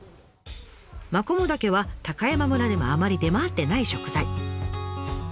マコモダケは高山村でもあまり出回ってない食材。